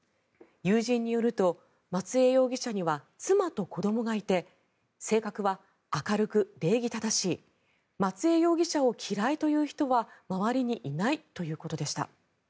友人によると松江容疑者には妻と子どもがいて性格は明るく、礼儀正しい松江容疑者を嫌いという人は周りにいないということでした。